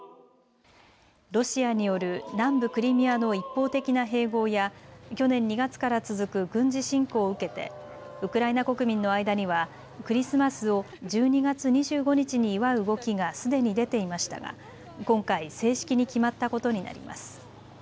ロシアによる南部クリミアの一方的な併合や去年２月から続く軍事侵攻を受けてウクライナ国民の間にはクリスマスを１２月２５日に祝う動きがすでに出ていましたが今回、正式に決まったことになります。